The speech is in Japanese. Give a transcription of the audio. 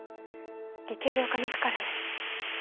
理系でお金かかるのに。